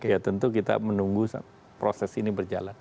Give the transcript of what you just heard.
ya tentu kita menunggu proses ini berjalan